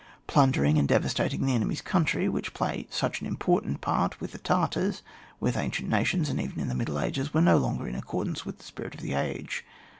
Plundering and devastating the enemy's coimtry, which play such an im portant part with Tartars, with ancient nations, and even in the Middle Ages, were no longer in accordance with the spirit of the age.